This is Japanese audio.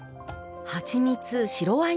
はちみつ白ワイン